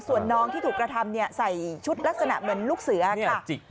ส่วนนองที่ถูกกระทำใส่